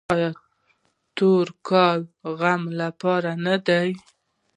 آیا تور کالي د غم لپاره نه دي؟